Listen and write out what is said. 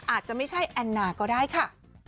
อาจจะไม่ใช่แอนนาก็ได้ค่ะ